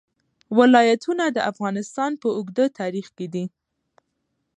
ولایتونه د افغانستان په اوږده تاریخ کې دي.